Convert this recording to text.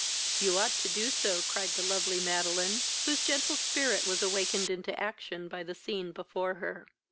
"You ought to do so, (cried the lovely Madeline, whose gentle spirit was awakened into action by the scene before her.)